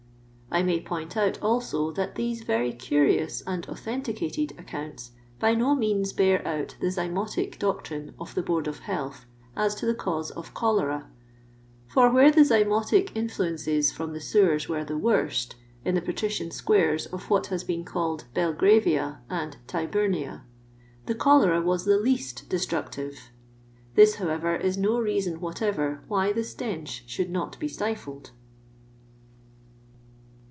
I may point out also that these very curious and authenticated accounts by no means bear out the zymotic doctrine of the Board of Health as to the cause of cholera ; for where the zymotic influences from the sewers were the worst, in the patrician squares of what has been called Bel gravia and Tybumia, the cholera was the least destructive. This, however, is no reason what ever why the stench should not be stifled.